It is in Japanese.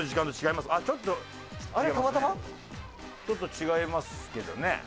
ちょっと違いますけどね。